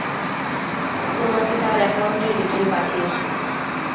তোমাকে তার অ্যাকাউন্টের ডিটেল পাঠিয়েছি।